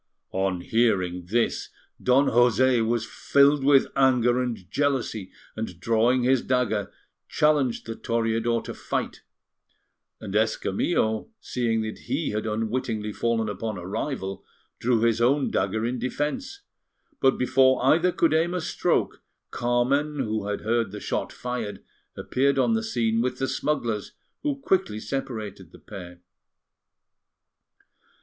On hearing this, Don José was filled with anger and jealousy, and drawing his dagger, challenged the Toreador to fight; and Escamillo, seeing that he had unwittingly fallen upon a rival, drew his own dagger in defence. But before either could aim a stroke, Carmen, who had heard the shot fired, appeared on the scene with the smugglers, who quickly separated the pair.